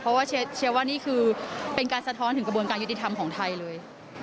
เพราะว่าเชียร์ว่านี่คือเป็นการสะท้อนถึงกระบวนการยุติธรรมของไทยเลย